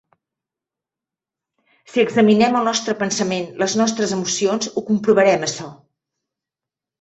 Si examinem el nostre pensament, les nostres emocions, ho comprovarem, açò.